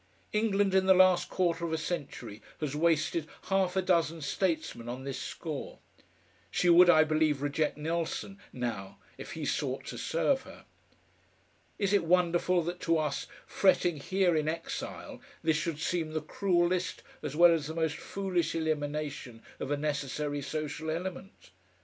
England in the last quarter of a century has wasted half a dozen statesmen on this score; she would, I believe, reject Nelson now if he sought to serve her. Is it wonderful that to us fretting here in exile this should seem the cruellest as well as the most foolish elimination of a necessary social element?